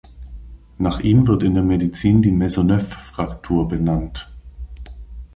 Nach ihm wird in der Medizin die Maisonneuve-Fraktur benannt.